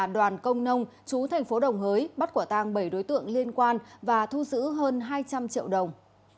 đoàn công nông chú thành phố đồng hới bắt quả tang bảy đối tượng liên quan và thu giữ hơn hai trăm linh triệu đồng